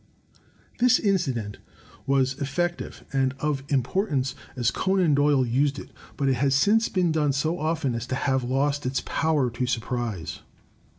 This incident was effective and of importance as Conan Doyle used it, but it has since been done so often as to have lost its power to surprise.